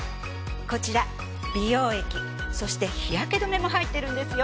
こちら美容液そして日焼け止めも入ってるんですよ。